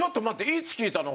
いつ聞いたの？